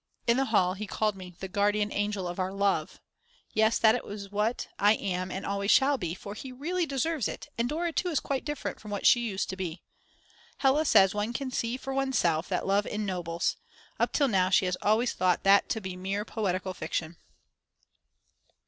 In the hall he called me "the Guardian Angel of our Love." Yes, that is what I am and always shall be; for he really deserves it and Dora too is quite different from what she used to be. Hella says one can see for oneself that love ennobles; up till now she has always thought that to be mere poetical fiction.